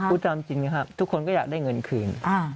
พูดตามจริงนะครับทุกคนก็อยากได้เงินคืน